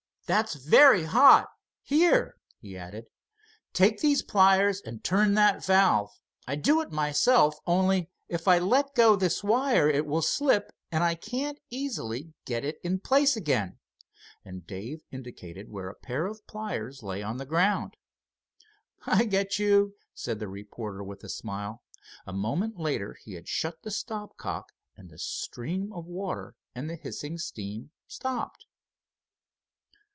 That's very hot. Here," he added, "take these pliers, and turn that valve. I'd do it myself only if I let go this wire it will slip and I can't easily get it in place again," and Dave indicated where a pair of pliers lay on the ground. "I get you," said the reporter with a smile. A moment later he had shut the stop cock and the stream of water and the hissing steam stopped.